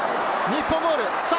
日本ボール！